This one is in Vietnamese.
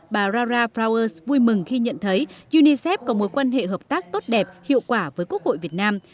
bà rara flowers vui mừng khi nhận thấy unicef có mối quan hệ hợp tác tốt đẹp hiệu quả với quốc hội việt nam